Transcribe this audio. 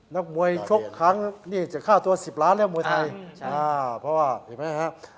นักมวยชกครั้งนี่จะค่าตัว๑๐ล้านแล้วมวยไทยอ่าเพราะว่าเห็นไหมครับ